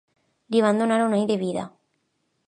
Li van donar un any de vida.